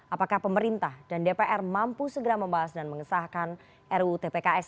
apakah pemerintah dan dpr mampu segera membahas dan mengesahkan ruu tpks